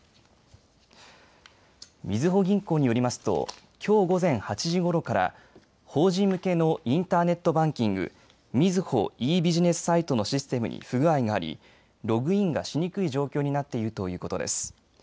みずほ銀行によりますときょう午前８時ごろから法人向けのインターネットバンキング、みずほｅ−ビジネスサイトのシステムに不具合がありログインを出しにくい状況になっているということです。